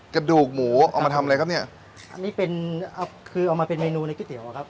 กระดูกหมูเอามาทำอะไรครับเนี้ยอันนี้เป็นเอาคือเอามาเป็นเมนูในก๋วอะครับ